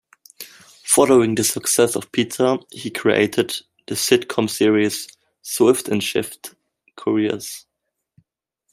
Following the success of "Pizza", he created the sitcom series "Swift and Shift Couriers".